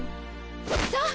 さあ！